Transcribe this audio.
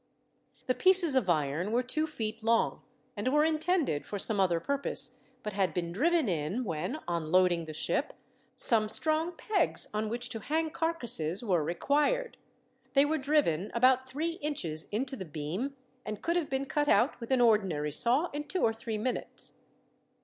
The pieces of iron were two feet long, and were intended for some other purpose, but had been driven in when, on loading the ship, some strong pegs on which to hang carcasses were required. They were driven about three inches into the beam, and could have been cut out with an ordinary saw in two or three minutes.